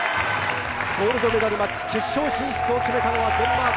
ゴールドメダルマッチ、決勝進出を決めたのはデンマーク。